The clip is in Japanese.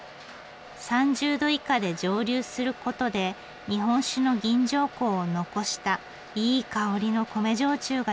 ３０度以下で蒸留することで日本酒の吟醸香を残したいい香りの米焼酎ができるんだそうです。